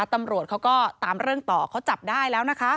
ตำรวจเขาก็ตามเรื่องต่อเขาจับได้แล้วนะคะ